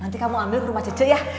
nanti kamu ambil ke rumah cucu ya